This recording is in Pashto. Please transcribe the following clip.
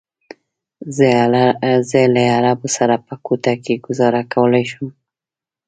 زه له عربو سره په کوټه کې ګوزاره کولی شم.